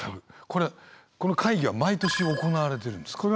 これこの会議は毎年行われてるんですか？